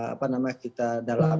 apa namanya kita dalam